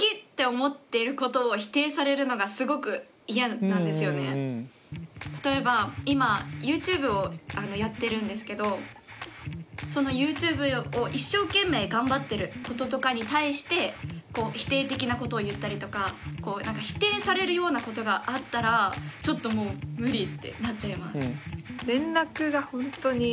私は今自分がすごく例えば今ＹｏｕＴｕｂｅをやってるんですけどそのＹｏｕＴｕｂｅを一生懸命頑張ってることとかに対して否定的なことを言ったりとか否定されるようなことがあったらちょっともう無理ってなっちゃいます。